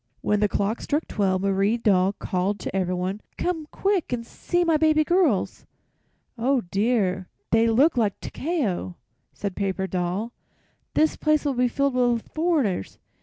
When the clock struck twelve Marie Doll called to everyone: "Come quick and see my baby girls!" "Oh, dear! they look just like Takeo," said Paper Doll. "This place will be filled with foreigners.